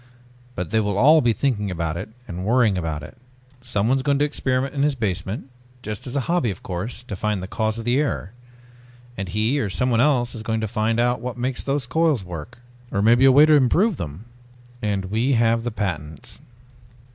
But they will all be thinking about it and worrying about it. Someone is going to experiment in his basement just as a hobby of course to find the cause of the error. And he or someone else is going to find out what makes those coils work, or maybe a way to improve them!" "And we have the patents...."